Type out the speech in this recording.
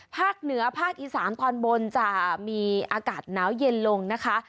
ภาคเหนือภาคอีสานตอนบนจะมีอากาศหนาวเย็นลงนะคะ